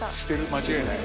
間違いない？